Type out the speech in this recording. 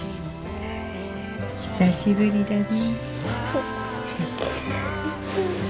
久しぶりだね。